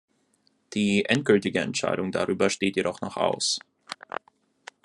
Die endgültige Entscheidung darüber steht jedoch noch aus.